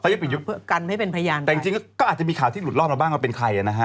เค้าปิดยุบแต่จริงก็อาจจะมีข่าวที่หลุดล่อมาบ้างว่าเป็นใครอะนะฮะ